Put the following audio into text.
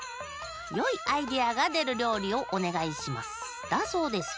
「よいアイデアがでるりょうりをおねがいします」だそうです。